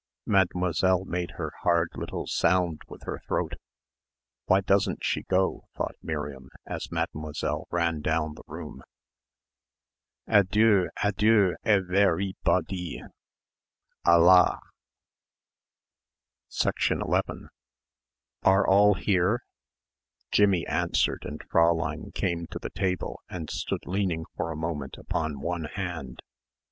Mademoiselle made her hard little sound with her throat. "Why doesn't she go?" thought Miriam as Mademoiselle ran down the room. "Adieu, adieu evaireeboddie alla " 11 "Are all here?" Jimmie answered and Fräulein came to the table and stood leaning for a moment upon one hand.